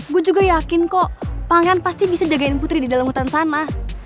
gue juga yakin kok pangan pasti bisa jagain putri di dalam hutan sana